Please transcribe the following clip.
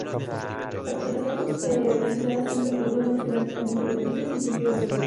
La desconcentración se realizará siempre entre órganos jerárquicamente dependientes y en sentido descendente.